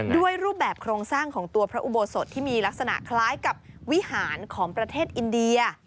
รูปแบบโครงสร้างของตัวพระอุโบสถที่มีลักษณะคล้ายกับวิหารของประเทศอินเดีย